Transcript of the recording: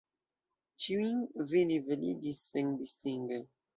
Ĉiujn vi niveligis sendistinge.